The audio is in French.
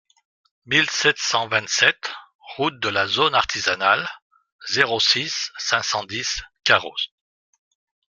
mille sept cent vingt-sept route de la Zone Artisanale, zéro six, cinq cent dix Carros